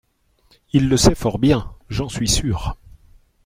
Il le sait fort bien, j’en suis sure.